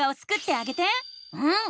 うん！